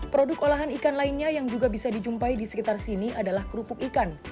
produk olahan ikan lainnya yang juga bisa dijumpai di sekitar sini adalah kerupuk ikan